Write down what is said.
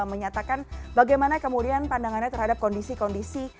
menyatakan bagaimana kemudian pandangannya terhadap kondisi kondisi